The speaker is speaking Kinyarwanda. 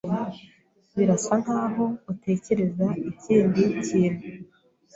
Birasa nkaho utekereza ikindi kintu.